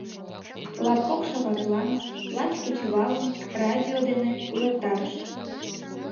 Латкок шагатлан, лач кечывалым, радио дене увертарышт.